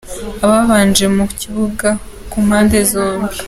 Ababanje mu kibuga ku mpande zombi.